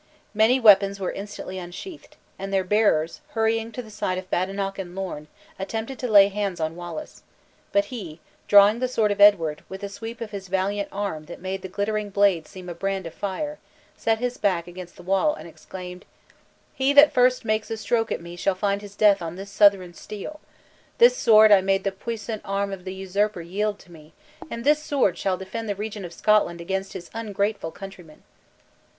Many weapons were instantly unsheathed; and their bearers, hurrying to the side of Badenoch and Lorn, attempted to lay hands on Wallace; but he, drawing the sword of Edward, with a sweep of his valiant arm that made the glittering blade seem a brand of fire, set his back against the wall, and exclaimed: "He that first makes a stroke at me shall find his death on this Southron steel! This sword I made the puissant arm of the usurper yield to me; and this sword shall defend the Regent of Scotland against his ungrateful countrymen!"